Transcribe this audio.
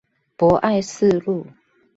博愛四路